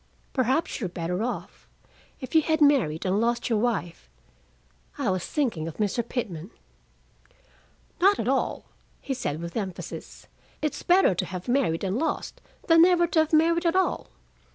"Perhaps you're better off: if you had married and lost your wife " I was thinking of Mr. Pitman. "Not at all," he said with emphasis. "It's better to have married and lost than never to have married at all.